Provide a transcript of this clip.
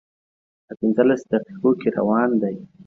دا په پنځلس دقیقو کې روان دی.